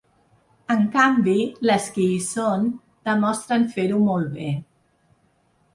En canvi, les qui hi són demostren fer-ho molt bé.